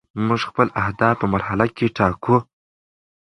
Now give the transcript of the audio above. موږ خپل اهداف په مرحله کې ټاکو.